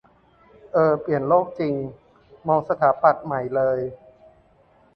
เออ เปลี่ยนโลกจริง มองสถาปัตย์ใหม่เลย